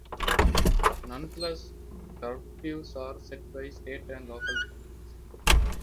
Nonetheless, curfews are set by state and local governments.